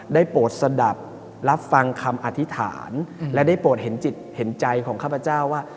โปรดสะดับรับฟังคำอธิษฐานและได้โปรดเห็นจิตเห็นใจของข้าพเจ้าว่า